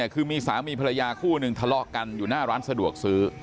คือมีสามีภรรยาคู่หนึ่งทะเลาะกันอยู่หน้าร้านสะดวกซื้อ